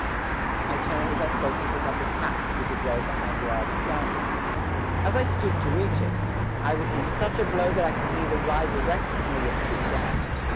I turned as I spoke to pick up his hat, which had rolled behind where I was standing. As I stooped to reach it, I received such a blow that I could neither rise erect nor yet sit down.